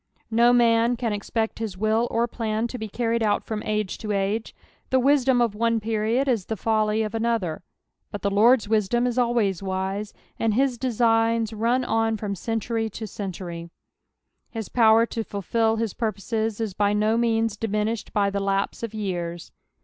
No man can expect his wilt or plan to be carried oat from ago to age ; the wisdom of one period is the folly of another, bnt the Lord's wisdom is always wise, and his designs run on from century to century. Uis power to fulfil his purposes is by no means diminished by the lapae of years.